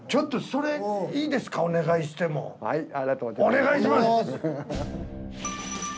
お願いします。